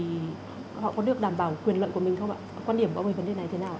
họ có được đảm bảo quyền lợi của mình không ạ